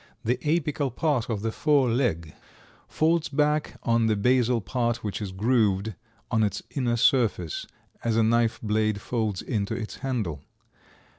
The apical part of the fore leg folds back on the basal part which is grooved on its inner face, as a knife blade folds into its handle.